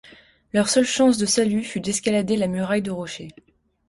Leur seule chance de salut fut d’escalader la muraille de rochers.